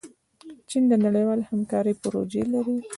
چین د نړیوالې همکارۍ پروژې لري.